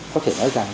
có thể nói rằng